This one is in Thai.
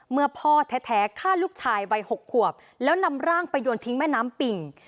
พ่อแท้ฆ่าลูกชายวัย๖ขวบแล้วนำร่างไปโยนทิ้งแม่น้ำปิ่ง